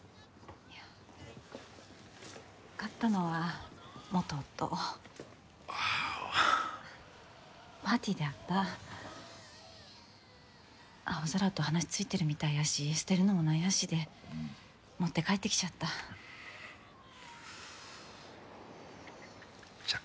いや買ったのは元夫ああパーティーで会った青空と話ついてるみたいやし捨てるのも何やしで持って帰ってきちゃったじゃあ